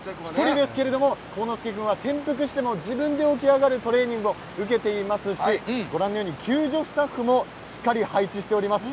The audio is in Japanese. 幸之介君は、転覆しても自分で起き上がるトレーニングを受けていますし救助スタッフもしっかり配置しております。